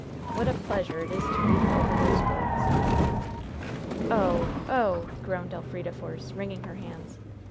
What a pleasure it is to read over these words!" "Oh! Oh!" groaned Elfrida Force, wringing her hands.